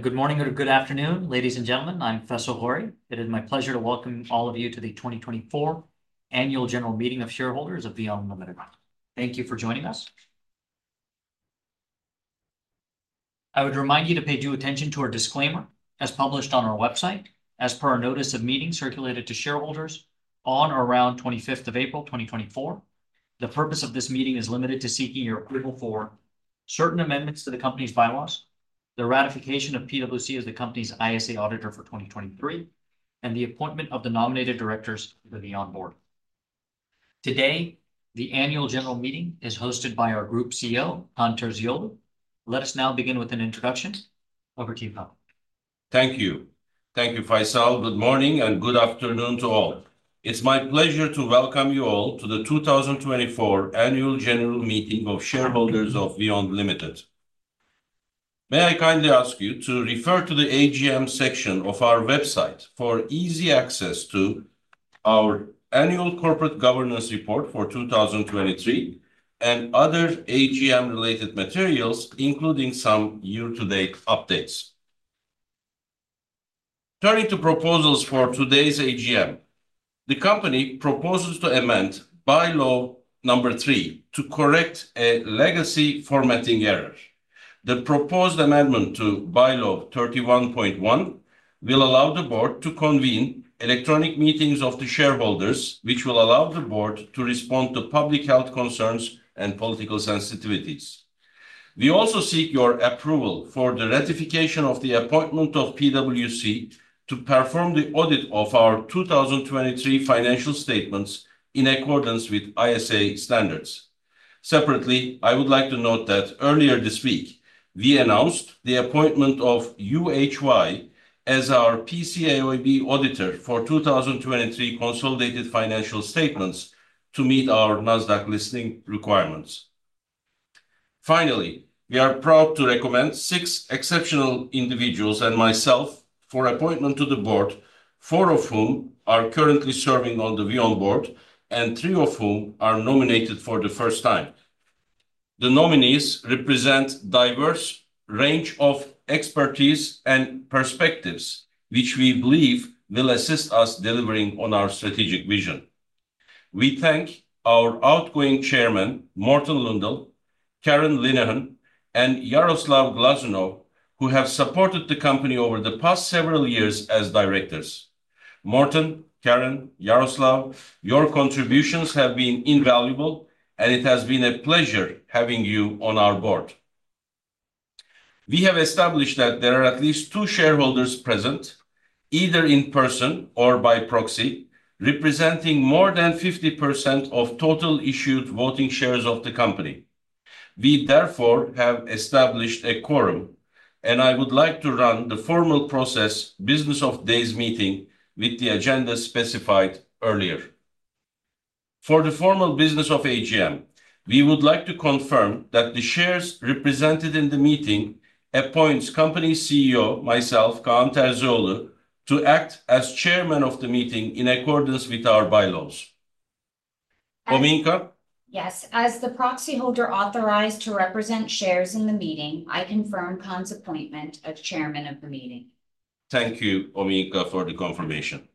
Good morning or good afternoon, ladies and gentlemen. I'm Faisal Ghori. It is my pleasure to welcome all of you to the 2024 annual general meeting of shareholders of VEON Limited. Thank you for joining us. I would remind you to pay due attention to our disclaimer, as published on our website, as per our notice of meeting circulated to shareholders on or around 25th of April, 2024. The purpose of this meeting is limited to seeking your approval for certain amendments to the company's Bye-laws, the ratification of PwC as the company's ISA auditor for 2023, and the appointment of the nominated directors to the VEON board. Today, the annual general meeting is hosted by our Group CEO, Kaan Terzioğlu. Let us now begin with an introduction. Over to you, Kaan. Thank you. Thank you, Faisal. Good morning, and good afternoon to all. It's my pleasure to welcome you all to the 2024 annual general meeting of shareholders of VEON Limited. May I kindly ask you to refer to the AGM section of our website for easy access to our annual corporate governance report for 2023, and other AGM-related materials, including some year-to-date updates. Turning to proposals for today's AGM, the company proposes to amend Bye-law number 3 to correct a legacy formatting error. The proposed amendment to Bye-law 31.1 will allow the board to convene electronic meetings of the shareholders, which will allow the board to respond to public health concerns and political sensitivities. We also seek your approval for the ratification of the appointment of PwC to perform the audit of our 2023 financial statements in accordance with ISA standards. Separately, I would like to note that earlier this week, we announced the appointment of UHY as our PCAOB auditor for 2023 consolidated financial statements to meet our Nasdaq listing requirements. Finally, we are proud to recommend six exceptional individuals and myself for appointment to the board, four of whom are currently serving on the VEON board, and three of whom are nominated for the first time. The nominees represent diverse range of expertise and perspectives, which we believe will assist us delivering on our strategic vision. We thank our outgoing chairman, Morten Lundal, Karen Linehan, and Yaroslav Glazunov, who have supported the company over the past several years as directors. Morten, Karen, Yaroslav, your contributions have been invaluable, and it has been a pleasure having you on our board. We have established that there are at least 2 shareholders present, either in person or by proxy, representing more than 50% of total issued voting shares of the company. We, therefore, have established a quorum, and I would like to run the formal process business of today's meeting with the agenda specified earlier. For the formal business of AGM, we would like to confirm that the shares represented in the meeting appoints company CEO, myself, Kaan Terzioğlu, to act as chairman of the meeting in accordance with our Bye-laws. Olayinka? Yes, as the proxy holder authorized to represent shares in the meeting, I confirm Kaan's appointment as chairman of the meeting. Thank you, Olayinka, for the confirmation.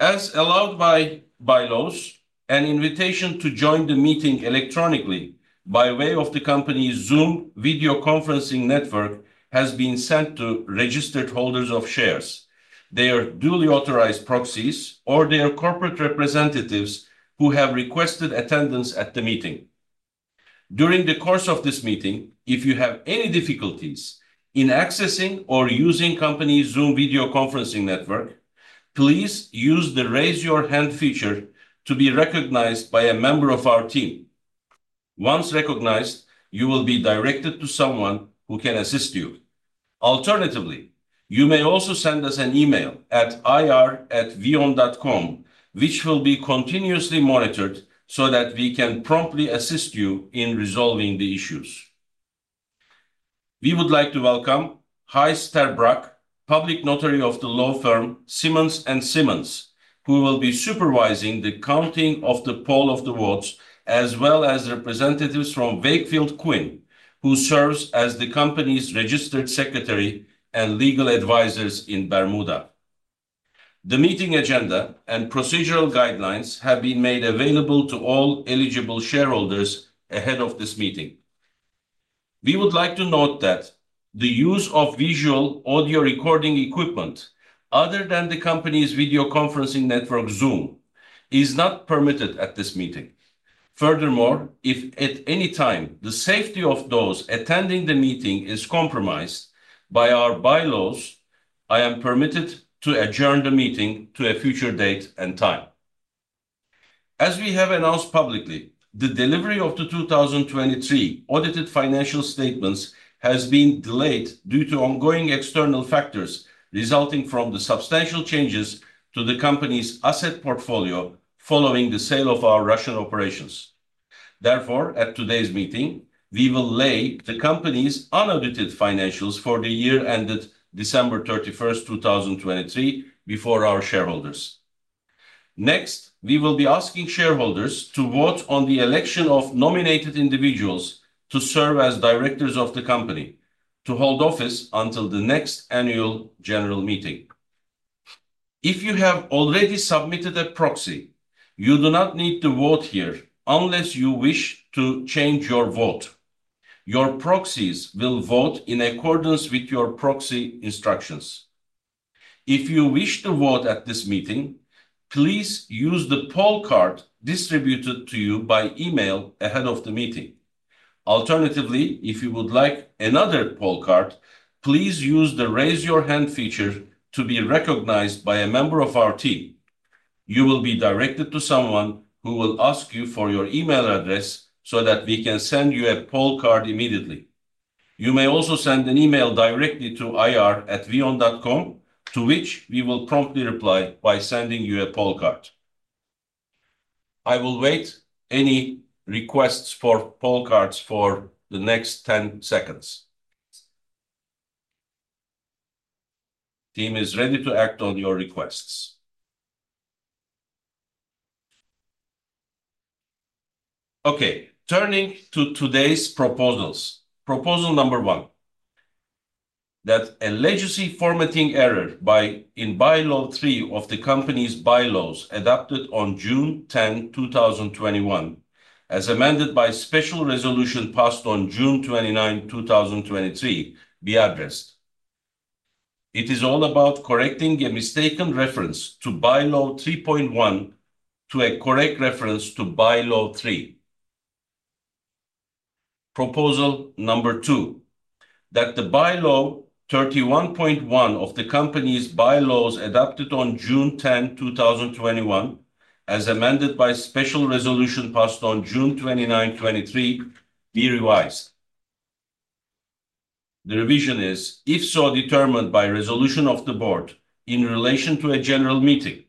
As allowed by Bye-laws, an invitation to join the meeting electronically by way of the company's Zoom video conferencing network has been sent to registered holders of shares, their duly authorized proxies, or their corporate representatives who have requested attendance at the meeting. During the course of this meeting, if you have any difficulties in accessing or using company's Zoom video conferencing network, please use the Raise Your Hand feature to be recognized by a member of our team. Once recognized, you will be directed to someone who can assist you. Alternatively, you may also send us an email at ir@veon.com, which will be continuously monitored so that we can promptly assist you in resolving the issues. We would like to welcome Gijs ter Braak, public notary of the law firm Simmons & Simmons, who will be supervising the counting of the votes, as well as representatives from Wakefield Quin, who serves as the company's registered secretary and legal advisors in Bermuda. The meeting agenda and procedural guidelines have been made available to all eligible shareholders ahead of this meeting. We would like to note that the use of visual audio recording equipment, other than the company's video conferencing network, Zoom, is not permitted at this meeting. Furthermore, if at any time the safety of those attending the meeting is compromised, by our Bye-laws, I am permitted to adjourn the meeting to a future date and time. As we have announced publicly, the delivery of the 2023 audited financial statements has been delayed due to ongoing external factors resulting from the substantial changes to the company's asset portfolio following the sale of our Russian operations. Therefore, at today's meeting, we will lay the company's unaudited financials for the year ended December 31, 2023, before our shareholders. Next, we will be asking shareholders to vote on the election of nominated individuals to serve as directors of the company, to hold office until the next annual general meeting. If you have already submitted a proxy, you do not need to vote here unless you wish to change your vote. Your proxies will vote in accordance with your proxy instructions. If you wish to vote at this meeting, please use the poll card distributed to you by email ahead of the meeting. Alternatively, if you would like another poll card, please use the Raise Your Hand feature to be recognized by a member of our team. You will be directed to someone who will ask you for your email address so that we can send you a poll card immediately. You may also send an email directly to ir@veon.com, to which we will promptly reply by sending you a poll card. I will wait any requests for poll cards for the next 10 seconds. Team is ready to act on your requests. Okay, turning to today's proposals. Proposal number 1: that a legacy formatting error in Bye-law Three of the company's Bye-laws, adopted on June 10, 2021, as amended by special resolution passed on June 29, 2023, be addressed. It is all about correcting a mistaken reference to Bye-law 3.1 to a correct reference to Bye-law Three. Proposal number two: that the Bye-law 31.1 of the company's Bye-laws, adopted on June 10, 2021, as amended by special resolution passed on June 29, 2023, be revised. The revision is, if so determined by resolution of the board in relation to a general meeting,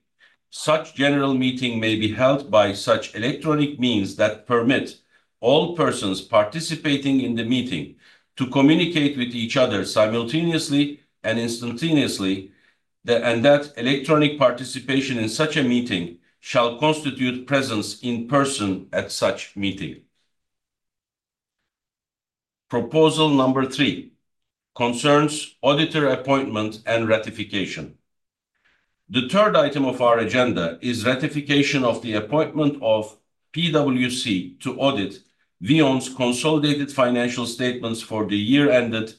such general meeting may be held by such electronic means that permit all persons participating in the meeting to communicate with each other simultaneously and instantaneously, and that electronic participation in such a meeting shall constitute presence in person at such meeting. Proposal number three concerns auditor appointment and ratification. The third item of our agenda is ratification of the appointment of PwC to audit VEON's consolidated financial statements for the year ended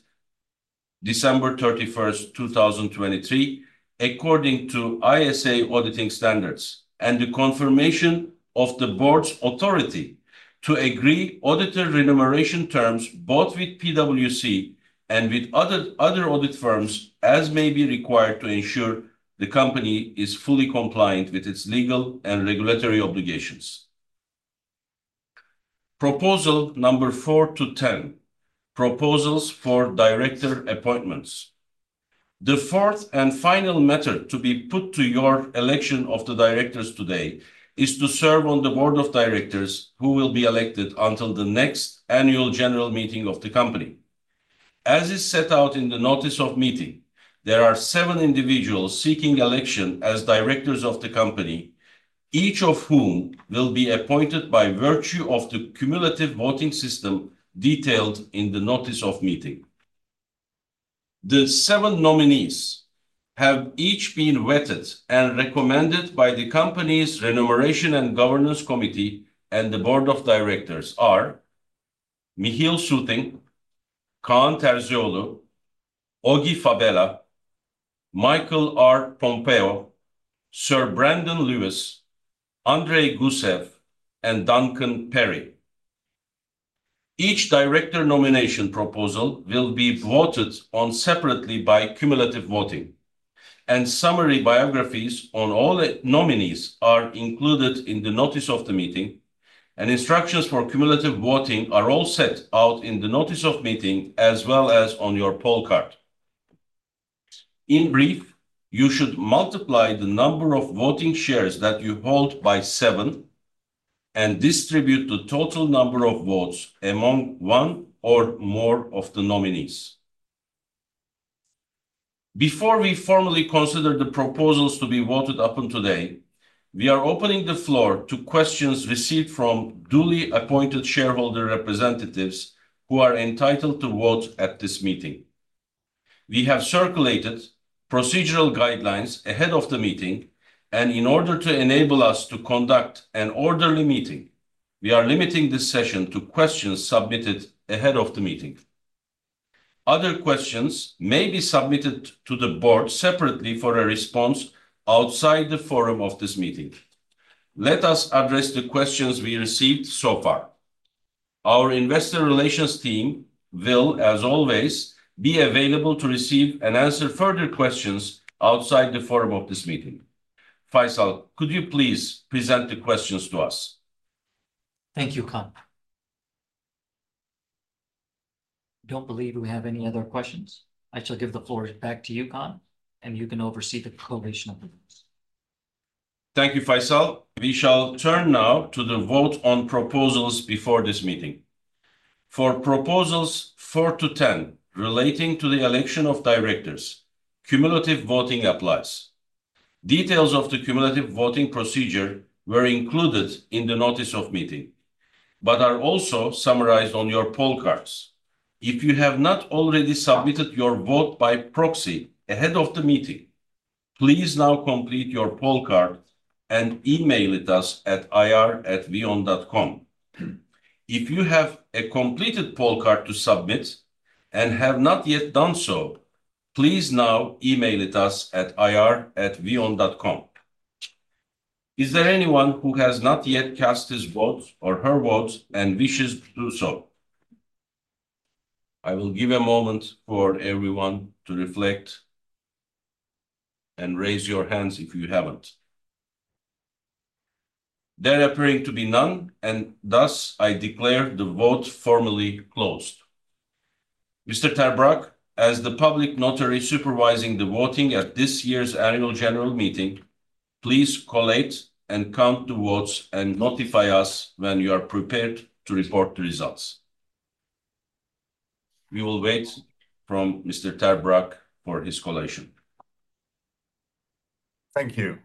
December 31st, 2023, according to ISA auditing standards, and the confirmation of the board's authority to agree auditor remuneration terms, both with PwC and with other audit firms, as may be required to ensure the company is fully compliant with its legal and regulatory obligations. Proposal number 4-10, proposals for director appointments. The fourth and final matter to be put to your election of the directors today is to serve on the board of directors who will be elected until the next annual general meeting of the company. As is set out in the notice of meeting, there are seven individuals seeking election as directors of the company, each of whom will be appointed by virtue of the cumulative voting system detailed in the notice of meeting. The seven nominees have each been vetted and recommended by the company's Remuneration and Governance Committee, and the board of directors are Michiel Soeting, Kaan Terzioğlu, Augie Fabela, Michael R. Pompeo, Sir Brandon Lewis, Andrei Gusev, and Duncan Perry. Each director nomination proposal will be voted on separately by cumulative voting, and summary biographies on all the nominees are included in the notice of the meeting, and instructions for cumulative voting are all set out in the notice of meeting, as well as on your poll card. In brief, you should multiply the number of voting shares that you hold by seven and distribute the total number of votes among one or more of the nominees. Before we formally consider the proposals to be voted upon today, we are opening the floor to questions received from duly appointed shareholder representatives who are entitled to vote at this meeting. We have circulated procedural guidelines ahead of the meeting, and in order to enable us to conduct an orderly meeting, we are limiting this session to questions submitted ahead of the meeting. Other questions may be submitted to the board separately for a response outside the forum of this meeting. Let us address the questions we received so far. Our investor relations team will, as always, be available to receive and answer further questions outside the forum of this meeting. Faisal, could you please present the questions to us? Thank you, Kaan. Don't believe we have any other questions. I shall give the floor back to you, Kaan, and you can oversee the collation of the votes. Thank you, Faisal. We shall turn now to the vote on proposals before this meeting. For proposals 4-10, relating to the election of directors, cumulative voting applies. Details of the cumulative voting procedure were included in the notice of meeting, but are also summarized on your poll cards. If you have not already submitted your vote by proxy ahead of the meeting, please now complete your poll card and email it us at ir@veon.com. If you have a completed poll card to submit, and have not yet done so, please now email it us at ir@veon.com. Is there anyone who has not yet cast his vote or her vote and wishes to do so? I will give a moment for everyone to reflect and raise your hands if you haven't. There appearing to be none, and thus, I declare the vote formally closed. Mr. ter Braak Braak, as the public notary supervising the voting at this year's annual general meeting, please collate and count the votes, and notify us when you are prepared to report the results. We will wait from Mr. ter Braak for his collation. Thank you.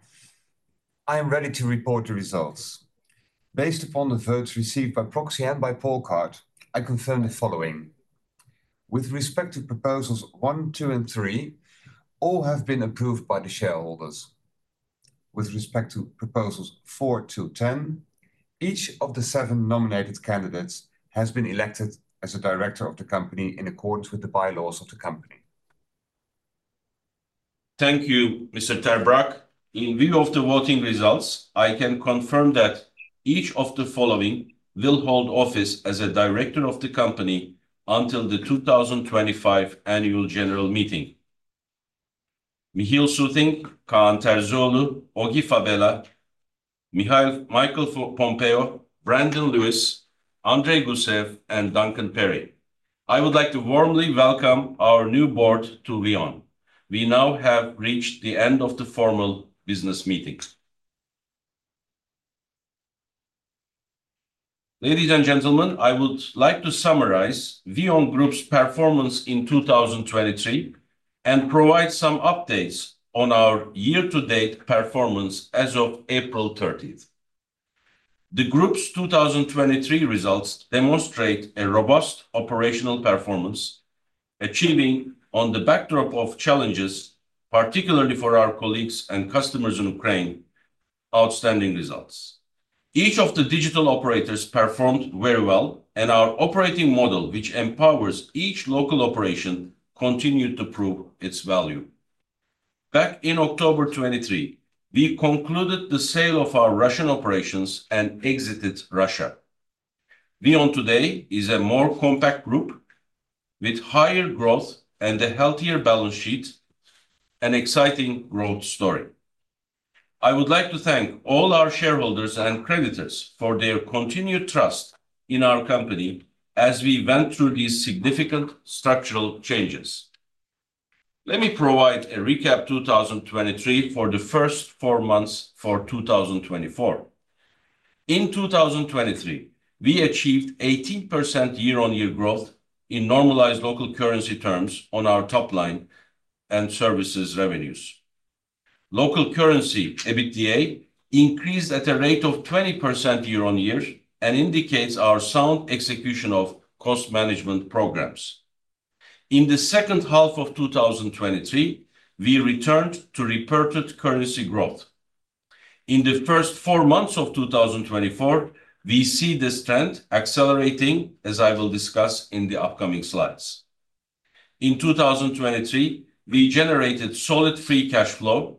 I am ready to report the results. Based upon the votes received by proxy and by poll card, I confirm the following: With respect to proposals 1, 2, and 3, all have been approved by the shareholders. With respect to proposals 4 to 10, each of the 7 nominated candidates has been elected as a director of the company in accordance with the Bye-laws of the company. Thank you, Mr. ter Braak. In view of the voting results, I can confirm that each of the following will hold office as a director of the company until the 2025 annual general meeting. Michiel Soeting, Kaan Terzioğlu, Augie Fabela, Michael R. Pompeo, Sir Brandon Lewis, Andrei Gusev, and Duncan Perry. I would like to warmly welcome our new board to VEON. We now have reached the end of the formal business meeting. Ladies and gentlemen, I would like to summarize VEON group's performance in 2023, and provide some updates on our year-to-date performance as of April 30. The group's 2023 results demonstrate a robust operational performance, achieving on the backdrop of challenges, particularly for our colleagues and customers in Ukraine, outstanding results. Each of the digital operators performed very well, and our operating model, which empowers each local operation, continued to prove its value. Back in October 2023, we concluded the sale of our Russian operations and exited Russia. VEON today is a more compact group with higher growth and a healthier balance sheet, an exciting growth story. I would like to thank all our shareholders and creditors for their continued trust in our company as we went through these significant structural changes. Let me provide a recap 2023 for the first four months for 2024. In 2023, we achieved 18% year-over-year growth in normalized local currency terms on our top line and services revenues. Local currency, EBITDA, increased at a rate of 20% year-over-year, and indicates our sound execution of cost management programs. In the second half of 2023, we returned to reported currency growth. In the first four months of 2024, we see this trend accelerating, as I will discuss in the upcoming slides. In 2023, we generated solid free cash flow.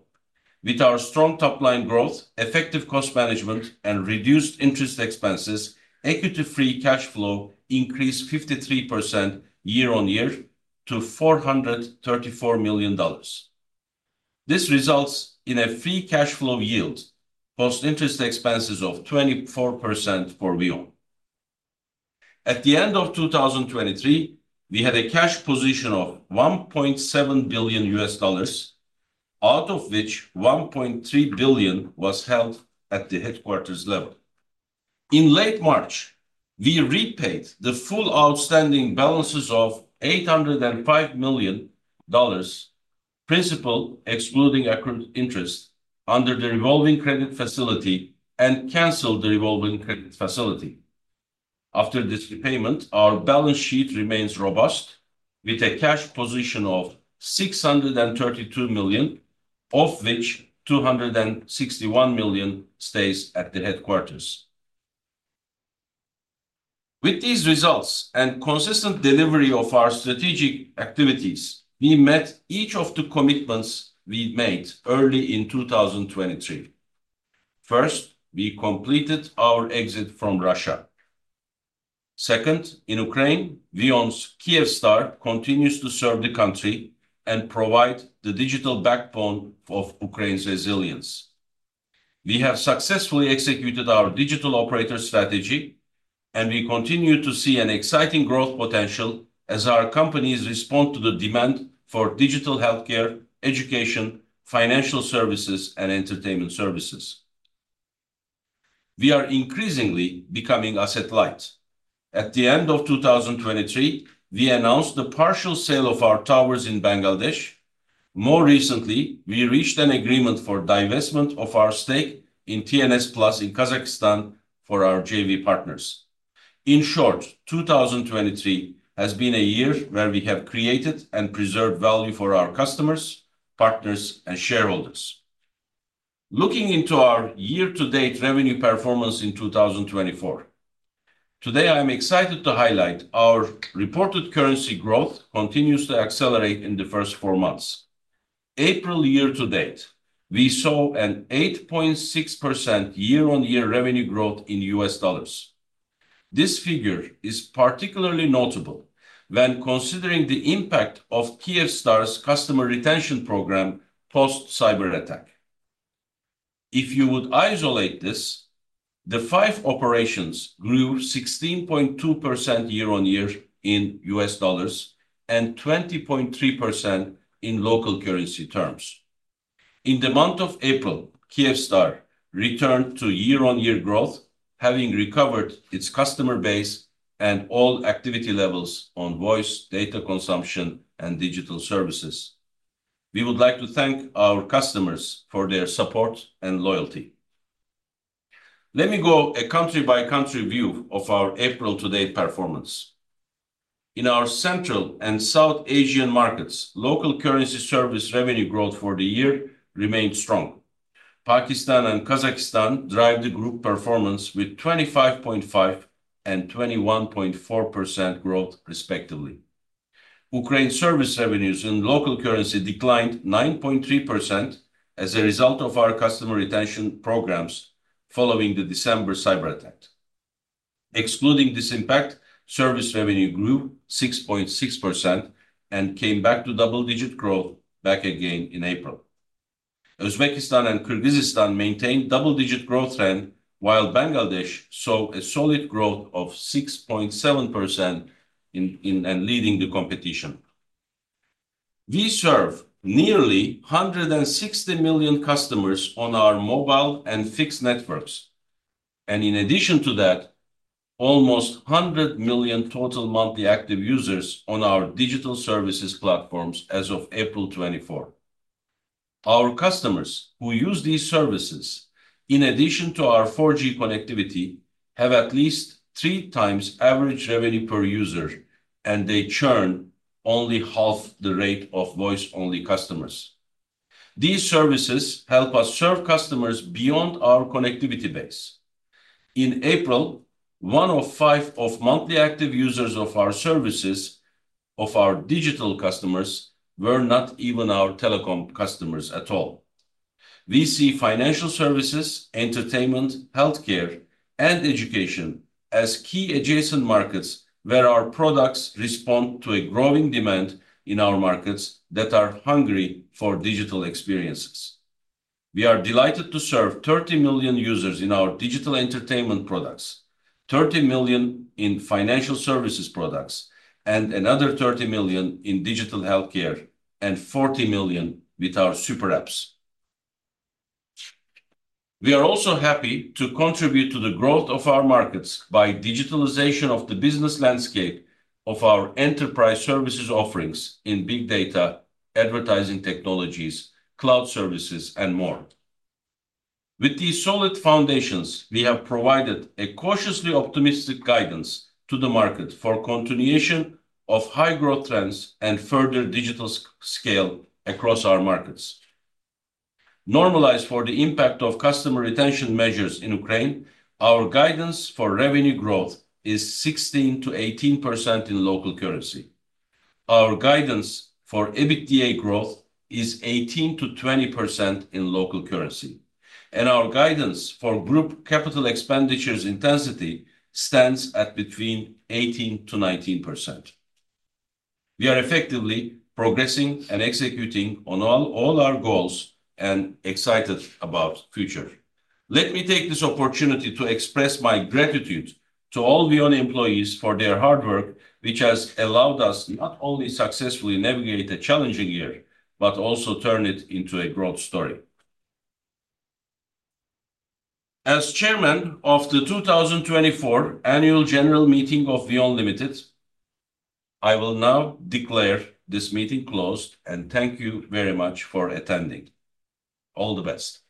With our strong top-line growth, effective cost management, and reduced interest expenses, equity free cash flow increased 53% year-on-year to $434 million. This results in a free cash flow yield, post-interest expenses of 24% for VEON. At the end of 2023, we had a cash position of $1.7 billion, out of which $1.3 billion was held at the headquarters level. In late March, we repaid the full outstanding balances of $805 million, principal excluding accrued interest, under the Revolving Credit Facility, and canceled the Revolving Credit Facility. After this repayment, our balance sheet remains robust, with a cash position of $632 million, of which $261 million stays at the headquarters. With these results and consistent delivery of our strategic activities, we met each of the commitments we made early in 2023. First, we completed our exit from Russia. Second, in Ukraine, VEON's Kyivstar continues to serve the country and provide the digital backbone of Ukraine's resilience. We have successfully executed our digital operator strategy, and we continue to see an exciting growth potential as our companies respond to the demand for digital healthcare, education, financial services, and entertainment services. We are increasingly becoming asset light. At the end of 2023, we announced the partial sale of our towers in Bangladesh. More recently, we reached an agreement for divestment of our stake in TNS Plus in Kazakhstan for our JV partners. In short, 2023 has been a year where we have created and preserved value for our customers, partners, and shareholders. Looking into our year-to-date revenue performance in 2024, today I am excited to highlight our reported currency growth continues to accelerate in the first four months. April year-to-date, we saw an 8.6% year-on-year revenue growth in U.S. dollars. This figure is particularly notable when considering the impact of Kyivstar's customer retention program post-cyberattack. If you would isolate this, the five operations grew 16.2% year-on-year in U.S. dollars and 20.3% in local currency terms. In the month of April, Kyivstar returned to year-on-year growth, having recovered its customer base and all activity levels on voice, data consumption, and digital services. We would like to thank our customers for their support and loyalty. Let me go a country-by-country view of our April to date performance. In our Central and South Asian markets, local currency service revenue growth for the year remained strong. Pakistan and Kazakhstan drive the group performance with 25.5% and 21.4% growth, respectively. Ukraine service revenues in local currency declined 9.3% as a result of our customer retention programs following the December cyberattack. Excluding this impact, service revenue grew 6.6% and came back to double-digit growth back again in April. Uzbekistan and Kyrgyzstan maintained double-digit growth trend, while Bangladesh saw a solid growth of 6.7% in and leading the competition. We serve nearly 160 million customers on our mobile and fixed networks, and in addition to that, almost 100 million total monthly active users on our digital services platforms as of April 2024. Our customers who use these services, in addition to our 4G connectivity, have at least three times average revenue per user, and they churn only half the rate of voice-only customers. These services help us serve customers beyond our connectivity base. In April, one of five of monthly active users of our services, of our digital customers, were not even our telecom customers at all. We see financial services, entertainment, healthcare, and education as key adjacent markets, where our products respond to a growing demand in our markets that are hungry for digital experiences. We are delighted to serve 30 million users in our digital entertainment products, 30 million in financial services products, and another 30 million in digital healthcare, and 40 million with our super apps. We are also happy to contribute to the growth of our markets by digitalization of the business landscape of our enterprise services offerings in big data, advertising technologies, cloud services, and more. With these solid foundations, we have provided a cautiously optimistic guidance to the market for continuation of high growth trends and further digital scale across our markets. Normalized for the impact of customer retention measures in Ukraine, our guidance for revenue growth is 16%-18% in local currency. Our guidance for EBITDA growth is 18%-20% in local currency, and our guidance for group capital expenditures intensity stands at between 18%-19%. We are effectively progressing and executing on all our goals, and excited about future. Let me take this opportunity to express my gratitude to all VEON employees for their hard work, which has allowed us to not only successfully navigate a challenging year, but also turn it into a growth story. As chairman of the 2024 Annual General Meeting of VEON Limited, I will now declare this meeting closed, and thank you very much for attending. All the best!